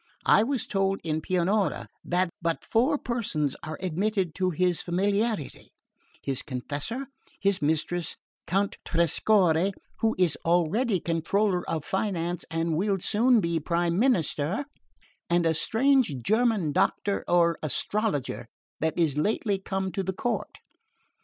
I was told in Pianura that but four persons are admitted to his familiarity: his confessor, his mistress, Count Trescorre, who is already comptroller of finance and will soon be prime minister, and a strange German doctor or astrologer that is lately come to the court.